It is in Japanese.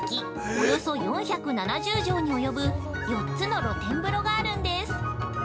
およそ４７０畳に及ぶ４つの露天風呂があるんです。